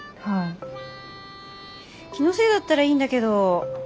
気のせいだったらいいんだけど。